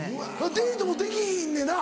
デートもできひんねんな。